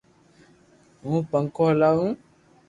ھون پنکو ھلاو